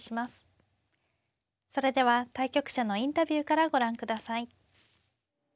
それでは対局者のインタビューからご覧ください。